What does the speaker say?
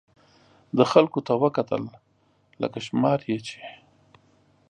ده خلکو ته وکتل، لکه شماري یې چې.